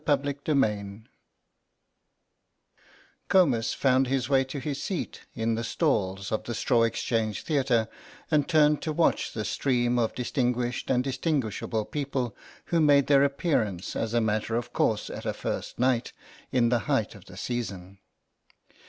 CHAPTER XIII COMUS found his way to his seat in the stalls of the Straw Exchange Theatre and turned to watch the stream of distinguished and distinguishable people who made their appearance as a matter of course at a First Night in the height of the Season.